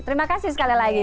terima kasih sekali lagi